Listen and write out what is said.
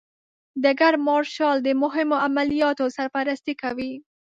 ډګر مارشال د مهمو عملیاتو سرپرستي کوي.